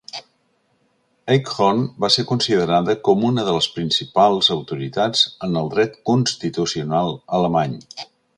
Eichhorn va ser considerada com una de les principals autoritats en el dret constitucional alemany.